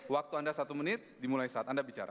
waktu anda satu menit dimulai saat anda bicara